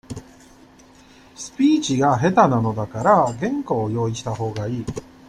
スピーチが下手なのだから、原稿を、用意したほうがいい。